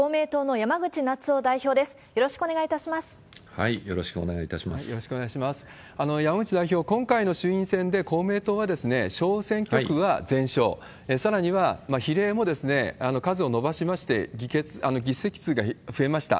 山口代表、今回の衆院選で公明党は小選挙区は全勝、さらには比例も数を伸ばしまして、議席数が増えました。